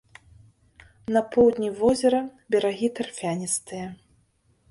На поўдні возера берагі тарфяністыя.